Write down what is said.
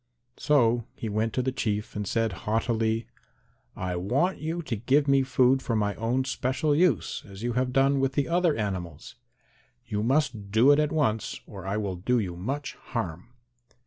So he went to the Chief and said haughtily, "I want you to give me food for my own special use as you have done with the other animals. You must do it at once or I will do you much harm."